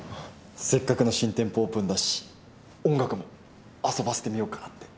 せっかくの新店舗オープンだし音楽も遊ばせてみようかなって。